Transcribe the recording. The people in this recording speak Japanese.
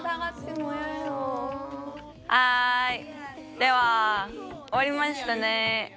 では終わりましたね。